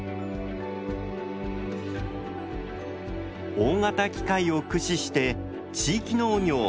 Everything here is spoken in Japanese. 大型機械を駆使して地域農業を守り続ける。